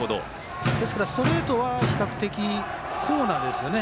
ですからストレートは比較的コーナーですね。